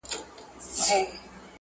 که داسې ونکړي